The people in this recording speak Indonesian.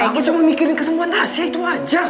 aku cuma mikirin kesembuhan tasha itu aja